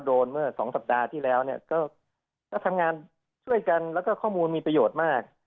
เมื่อสองสัปดาห์ที่แล้วเนี่ยก็ทำงานช่วยกันแล้วก็ข้อมูลมีประโยชน์มาก